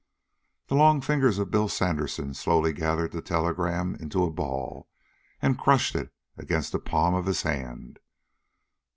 The long fingers of Bill Sandersen slowly gathered the telegram into a ball and crushed it against the palm of his hand.